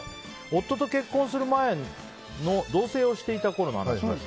夫と結婚する前の同棲をしていたころの話です。